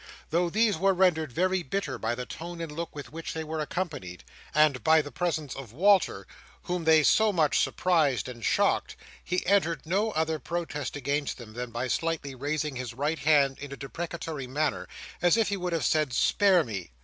Though these were rendered very bitter by the tone and look with which they were accompanied, and by the presence of Walter whom they so much surprised and shocked, he entered no other protest against them than by slightly raising his right hand in a deprecatory manner, as if he would have said, "Spare me!"